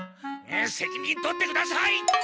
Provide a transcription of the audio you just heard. せきにんとってください！